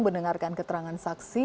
mendengarkan keterangan saksi